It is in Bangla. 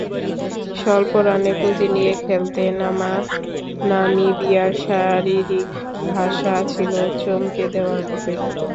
স্বল্প রানের পুঁজি নিয়ে খেলতে নামা নামিবিয়ার শারীরিক ভাষা ছিল চমকে দেওয়ার মতোই।